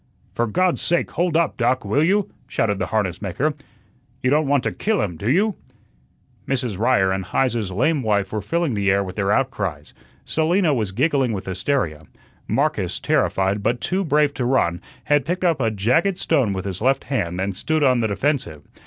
"For God's sake, hold up, Doc, will you?" shouted the harness maker. "You don't want to kill him, do you?" Mrs. Ryer and Heise's lame wife were filling the air with their outcries. Selina was giggling with hysteria. Marcus, terrified, but too brave to run, had picked up a jagged stone with his left hand and stood on the defensive.